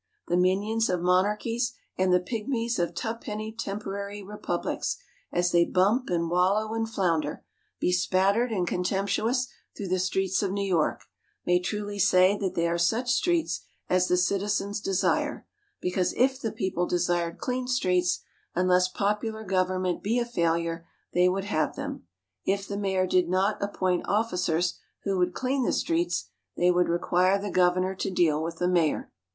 The minions of monarchies and the pigmies of tuppenny temporary republics, as they bump and wallow and flounder, bespattered and contemptuous, through the streets of New York, may truly say that they are such streets as the citizens desire, because if the people desired clean streets, unless popular government be a failure, they would have them. If the mayor did not appoint officers who would clean the streets, they would require the governor to deal with the mayor.